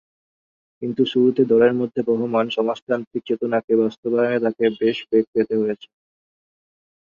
কিন্তু শুরুতে দলের মধ্যে বহমান সমাজতান্ত্রিক চেতনাকে বাস্তবায়নে তাকে বেশ বেগ পেতে হয়েছে।